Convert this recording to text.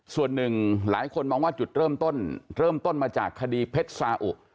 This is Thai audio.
ส่วนหนึ่งหลายคนมองว่าจุดเริ่มต้นเริ่มต้นมาจากคดีเพชรสาอุ